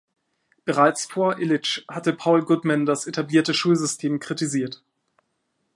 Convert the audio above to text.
Bereits vor Illich hatte Paul Goodman das etablierte Schulsystem kritisiert.